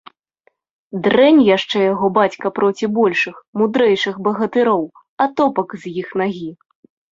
Дрэнь яшчэ яго бацька проці большых, мудрэйшых багатыроў, атопак з іх нагі.